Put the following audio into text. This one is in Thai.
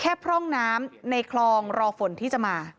พร่องน้ำในคลองรอฝนที่จะมา